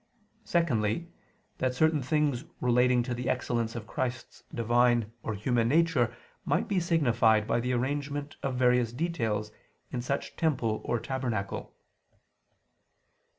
Secondly, that certain things relating to the excellence of Christ's Divine or human nature might be signified by the arrangement of various details in such temple or tabernacle.